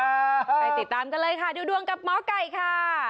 ไปติดตามกันเลยค่ะดูดวงกับหมอไก่ค่ะ